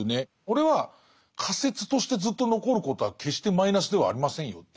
これは仮説としてずっと残ることは決してマイナスではありませんよという。